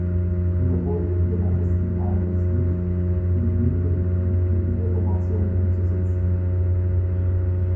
In der Folge gelang es ihm allerdings nicht, in Minden die Gegenreformation umzusetzen.